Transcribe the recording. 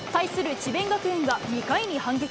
智弁学園は２回に反撃。